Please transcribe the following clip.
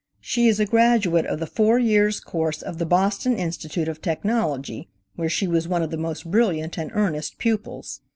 She is a graduate of the Four Years' Course of the Boston Institute of Technology, where she was one of the most brilliant and earnest pupils.